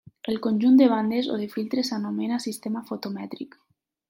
El conjunt de bandes o de filtres s'anomena sistema fotomètric.